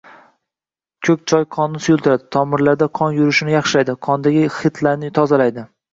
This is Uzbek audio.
Ko‘k choy qonni suyultiradi, tomirlarda qon yurishini yaxshilaydi, qondagi xiltlarni tozalaydi.